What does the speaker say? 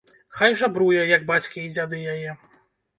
Хай жабруе, як бацькі і дзяды яе.